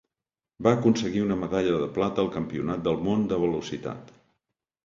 Va aconseguir una medalla de plata al Campionat del món de velocitat.